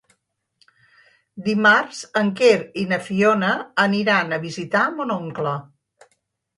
Dimarts en Quer i na Fiona aniran a visitar mon oncle.